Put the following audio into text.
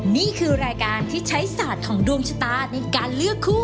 นี่คือรายการที่ใช้ศาสตร์ของดวงชะตาในการเลือกคู่